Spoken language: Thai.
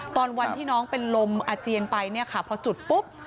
ตอนวันที่น้องเป็นลมอาเจียนไปพอจุดปุ๊บ